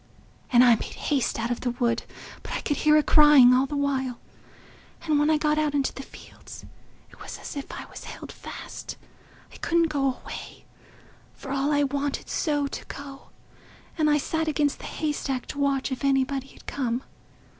And I made haste out of the wood, but I could hear it crying all the while; and when I got out into the fields, it was as if I was held fast—I couldn't go away, for all I wanted so to go. And I sat against the haystack to watch if anybody 'ud come.